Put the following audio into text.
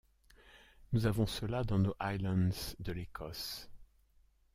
Nous avons cela dans nos highlands de l’Écosse.